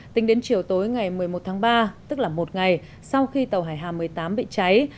tính đến chiều tối ngày một mươi một tháng ba tức là một ngày sau khi tàu hải hà một mươi tám bị cháy